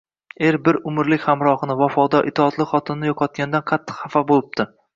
Er bir umrlik hamrohini, vafodor, itoatli xotinini yo‘qotganidan qattiq xafa bo‘libdi.